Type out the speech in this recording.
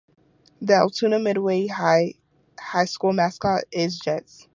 The Altoona-Midway High School mascot is Jets.